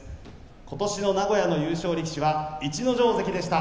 ことしの名古屋の優勝力士は逸ノ城関でした。